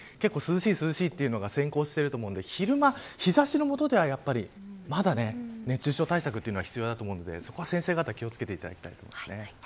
涼しいというのが先行していると思うので昼間、日差しの下ではまだ熱中症対策は必要だと思うのでそこは、先生方気を付けていただきたいです。